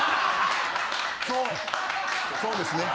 そうですね。